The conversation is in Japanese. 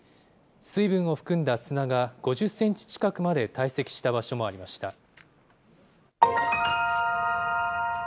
水分を含んだ砂が、５０センチ近くまで堆積した場所もありました。